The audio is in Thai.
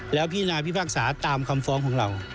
แล้วพี่นาพี่ภาคศาตร์ตามคำฟ้องของเรา